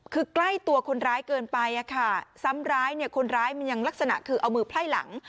คือใกล้ตัวคนร้ายเกินไปอะค่ะซ้ำร้ายเนี่ยคนร้ายมันยังลักษณะคือเอามือไพ่หลัง